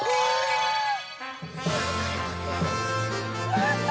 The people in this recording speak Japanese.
やった！